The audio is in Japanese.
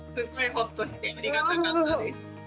ホッとしてありがたかったです。